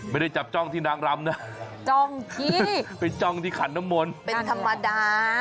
ไม่ได้จับจ้องที่นางรำนะจ้องที่ไปจ้องที่ขันน้ำมนต์เป็นธรรมดา